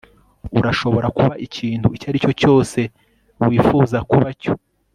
Urashobora kuba ikintu icyo ari cyo cyose wifuza kuba cyo